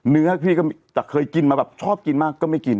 เนื้อพี่ก็มีแต่เคยกินมาแบบชอบกินมากก็ไม่กิน